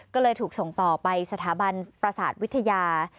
ก็เลยถูกส่งต่อไปสถาบันประสาทวิทยา